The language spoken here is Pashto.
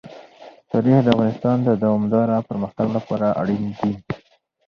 تاریخ د افغانستان د دوامداره پرمختګ لپاره اړین دي.